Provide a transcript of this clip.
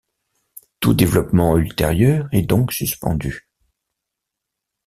Tout développement ultérieur est donc suspendu.